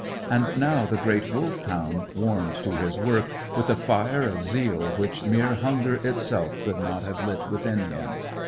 And now the great Wolfhound warmed to his work, with a fire of zeal which mere hunger itself could not have lit within him.